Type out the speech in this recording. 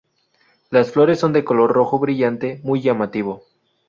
Las flores son de un color rojo brillante muy llamativo.